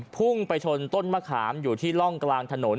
พุ่งไปชนต้นมะขามอยู่ที่ร่องกลางถนน